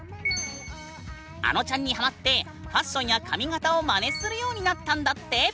あのちゃんにハマってファッションや髪形をまねするようになったんだって！